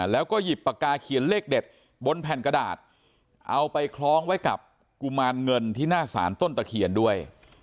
แล้วก็หยิบปากกาเขียนเลขเด็ดบนแผ่นกระดาษเอาไปคล้องไว้กับกุมารเงินที่หน้าศาลต้นตะเคียนด้วย